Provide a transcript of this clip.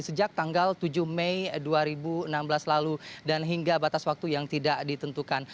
sejak tanggal tujuh mei dua ribu enam belas lalu dan hingga batas waktu yang tidak ditentukan